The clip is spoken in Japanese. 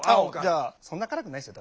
そんな辛くないですよ